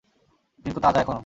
কিন্তু তাজা এখনো।